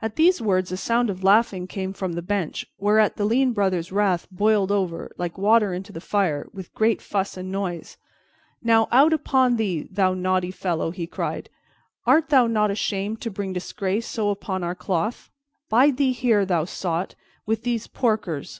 At these words a sound of laughing came from the bench, whereat the lean Brother's wrath boiled over, like water into the fire, with great fuss and noise. "Now, out upon thee, thou naughty fellow!" he cried. "Art thou not ashamed to bring disgrace so upon our cloth? Bide thee here, thou sot, with these porkers.